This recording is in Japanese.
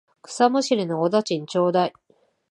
草むしりのお駄賃ちょうだい。